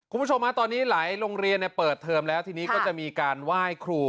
คุณผู้ชมตอนนี้หลายโรงเรียนเปิดเทอมแล้วทีนี้ก็จะมีการไหว้ครู